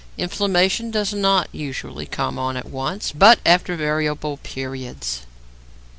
Inflammation does not usually come on at once, but after variable periods.